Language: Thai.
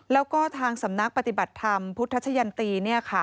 แล้วก็ทางสำนักปฏิบัติธรรมพุทธชะยันตี